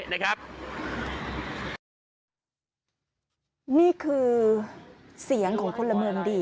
นี่คือเสียงของคนปลเมิงดี